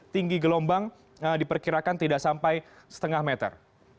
tinggi gelombang diperkirakan tidak sampai setengah meter